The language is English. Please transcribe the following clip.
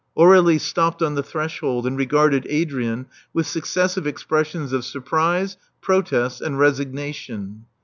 Aurdlie stopped on the threshold and regarded Adrian with successive expressions of surprise, protest and resignation.